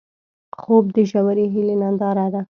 خوب د ژورې هیلې ننداره ده